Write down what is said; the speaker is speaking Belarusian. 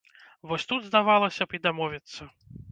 Вось тут, здавалася б, і дамовіцца!